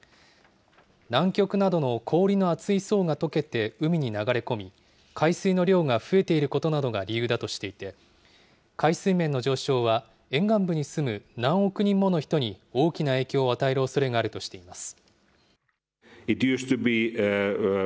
南極などの氷の厚い層がとけて、海に流れ込み、海水の量が増えていることなどが理由だとしていて、海水面の上昇は沿岸部に住む何億人もの人に大きな影響を与えるおそれがあるとしています。